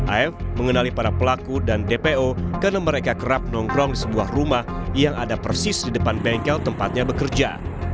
af mengenali para pelaku dan dpo karena mereka kerap nongkrong di sebuah rumah yang ada persis di depan bengkel tempatnya bekerja